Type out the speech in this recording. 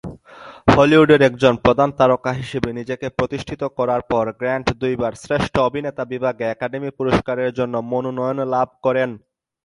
হলিউডের একজন প্রধান তারকা হিসেবে নিজেকে প্রতিষ্ঠিত করার পর গ্র্যান্ট দুইবার শ্রেষ্ঠ অভিনেতা বিভাগে একাডেমি পুরস্কারের জন্য মনোনয়ন লাভ করেন।